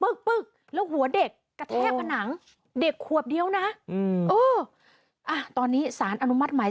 จริงจริงจริงจริงจริงจริงจริง